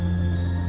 aku bisa sembuh